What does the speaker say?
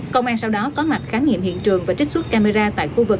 công an sau đó có mặt khám nghiệm hiện trường và trích xuất camera tại khu vực